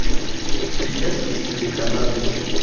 Li estis de Kanado.